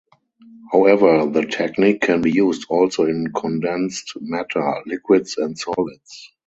However the technique can be used also in condensed matter (liquids and solids).